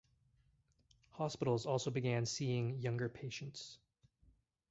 Hospitals also began seeing younger patients.